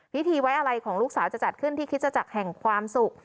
พิธีไว้อะไรของลูกสาวจะจัดขึ้นที่คริสตจักรแห่งความสุข